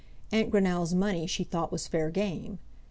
Aunt Greenow's money she thought was fair game.